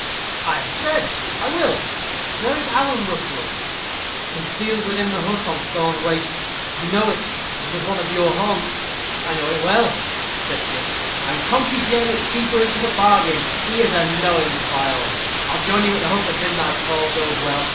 "I have said I will. Where is Alan Rookwood?" "Concealed within the hut on Thorne Waste. You know it it was one of your haunts." "I know it well," said Dick, "and Conkey Jem, its keeper, into the bargain: he is a knowing file. I'll join you at the hut at midnight, if all goes well.